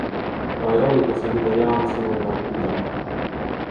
Vai oliko se mitä Jaana sanoi vain pilaa?